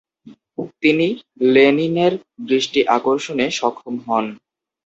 তিনি লেনিনের দৃষ্টি আকর্ষনে সক্ষম হন।